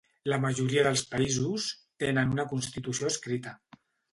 La majoria dels països tenen una constitució escrita.